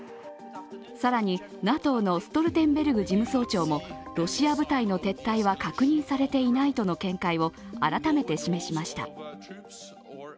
更にＮＡＴＯのストルテンベルグ事務総長もロシア部隊の撤退は確認されていないとの見解を改めて示しました。